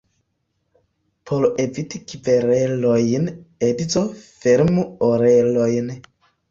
Por eviti kverelojn, edzo fermu orelojn.